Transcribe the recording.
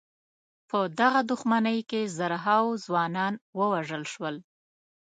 په دغه دښمنۍ کې زرهاوو ځوانان ووژل شول.